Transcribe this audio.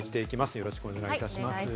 よろしくお願いします。